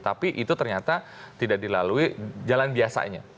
tapi itu ternyata tidak dilalui jalan biasanya